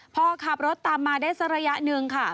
พอขับรถตามมาได้สักระยะหนึ่งค่ะ